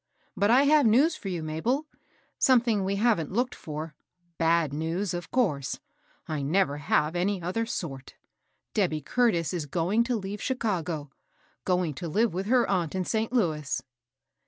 But I have news fear you, Mabel, — something we haven't looked for, — Ja(i news, of course, — I never have any other sort. Debby Curtis is going to leave Chicago, — going to live with her aunt in St. Louis."